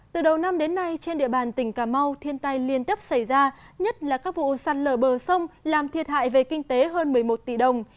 từ đầu năm đến nay trên địa bàn tỉnh cà mau thiên tai liên tiếp xảy ra nhất là các vụ sạt lở bờ sông làm thiệt hại về kinh tế hơn một mươi một tỷ đồng